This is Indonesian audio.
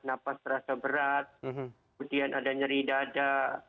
napas terasa berat kemudian ada nyeri dada